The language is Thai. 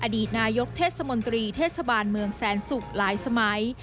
อดีตนายกเทศมนตรีเทศบาลเมืองแสนศุกร์หลายสมัย